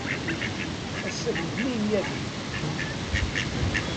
Ass-a d letniyen yagi.